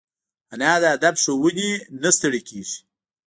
انا د ادب ښوونې نه ستړي کېږي